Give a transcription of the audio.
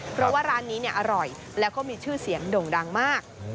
เพราะว่าร้านนี้อร่อยแล้วก็มีชื่อเสียงด่งดังมาก